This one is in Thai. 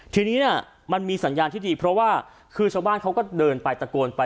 ทีนี้มันมีสัญญาณที่ดีเพราะว่าคือชาวบ้านเขาก็เดินไปตะโกนไป